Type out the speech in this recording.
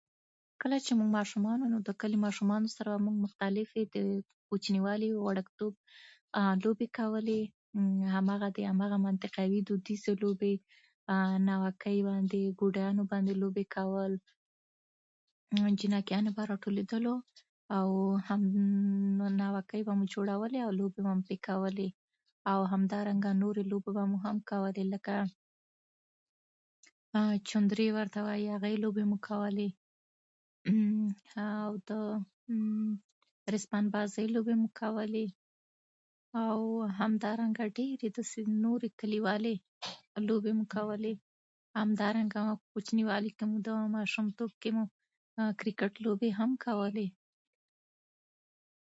کله چې موږ ماشومان وو، د کلي ماشومانو سره به مو مختلفې د کوچني والي، وړکتوب لوبې کولې. هماغه د هماغه منطقې عنعنوي دودیزې لوبې، ناوکۍ، کودیانو باندې لوبې کول. جنکۍ به راټولېدلو او هم ناوکۍ به مو جوړوله او لوبې به مو پرې کولې. او همدارنګه نورې لوبې به مو هم کولې، لکه چندري ورته وايي، هغه لوبې به مو کولې. او د ریسمان بازۍ لوبې به مو کولې، او همدارنګه ډېرې داسې نورې کلیوالې لوبې به مو کولې. همدارنګه مو کوچني والي کې، ماشومتوب کې کرکټ لوبې مو هم کولې.